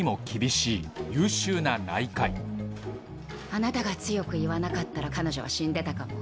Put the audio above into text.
あなたが強く言わなかったら彼女は死んでたかも。